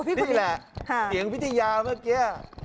พวกพี่วิทยานี่